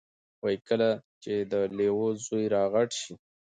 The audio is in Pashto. وایي کله چې د لیوه زوی را غټ شي،